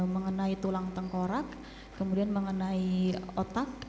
mengenai tulang tengkorak kemudian mengenai otak